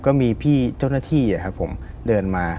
ก็มีพี่เจ้าหน้าที่เดินมา